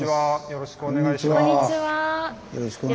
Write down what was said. よろしくお願いします。